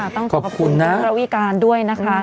ต้องขอบพระคุณนะพระวิการด้วยนะคะ